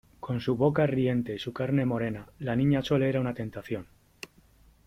con su boca riente y su carne morena , la Niña Chole era una tentación .